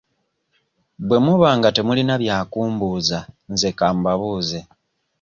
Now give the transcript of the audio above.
Bwe muba nga temulina bya kumbuuza nze ka mbabuuze.